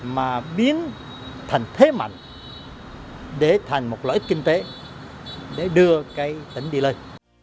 mà biến thành thế mạnh để thành một lợi ích kinh tế để đưa cái tỉnh đi lên